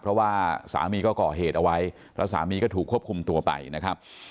เพราะว่าสามีก็ก่อเหตุเอาไว้แล้วสามีก็ถูกควบคุมตัวไปนะครับ